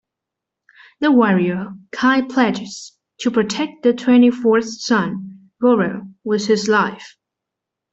The warrior Cai pledges to protect the twenty-fourth son, Goreu, with his life.